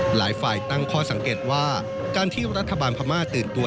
หลายฝ่ายตั้งข้อสังเกตว่าการที่รัฐบาลพม่าตื่นตัว